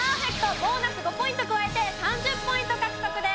ボーナス５ポイント加えて３０ポイント獲得です。